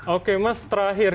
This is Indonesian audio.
oke mas terakhir